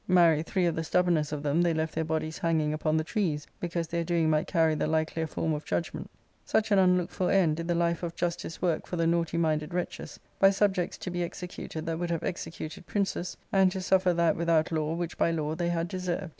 Mary,* three of the stubbomest of them they left their bodies hanging upon the trees, bepause their doing might carry the likelier form of judgment. Such an unlooked for end did the life of justice work for the naughty minded wretches, by subjects to be executed that would have executed princes, and to suffer that without law which by law they had deserved.